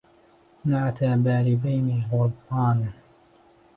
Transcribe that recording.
نعت بالبين غربان